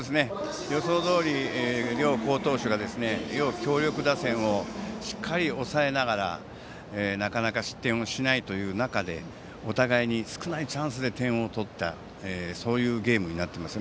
予想どおり両好投手が両強力打線をしっかり抑えながらなかなか失点をしないという中でお互いに少ないチャンスで点を取ったそういうゲームになっています。